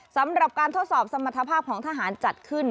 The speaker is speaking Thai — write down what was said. สำหรับการทดสอบสมรรถภาพของทหารจัดขึ้น